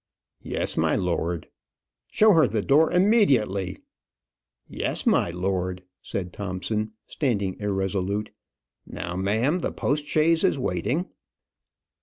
"Yes, my lord." "Show her the door immediately." "Yes, my lord," said Thompson, standing irresolute. "Now, ma'am; the post chaise is waiting."